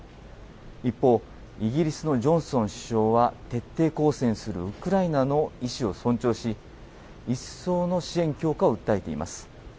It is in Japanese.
一方、イギリスのジョンソン首相は徹底抗戦するウクライナの意志を尊重し、いっそうの支援強化を訴えています。